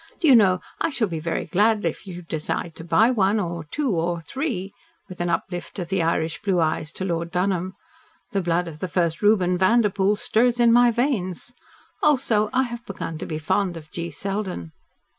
Do you know I shall be very glad if you decide to buy one or two or three," with an uplift of the Irish blue eyes to Lord Dunholm. "The blood of the first Reuben Vanderpoel stirs in my veins also I have begun to be fond of G. Selden."